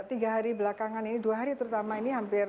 tiga hari belakangan ini dua hari terutama ini hampir